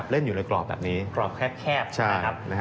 เล่นอยู่ในกรอบแบบนี้กรอบแคบใช่ไหมครับ